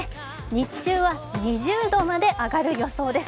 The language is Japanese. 日中は２０度まで上がる予想です。